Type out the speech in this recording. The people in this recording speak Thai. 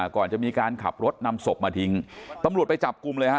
ก่อนจะมีการขับรถนำศพมาทิ้งตำรวจไปจับกลุ่มเลยฮะ